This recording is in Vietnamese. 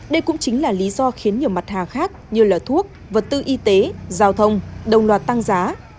đây cũng chính là lý do khiến nhiều mặt hàng khác như thuốc vật tư y tế giao thông đồng loạt tăng giá